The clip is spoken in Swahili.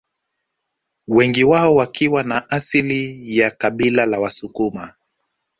Wengi wao wakiwa na asili ya kabila la Wasukuma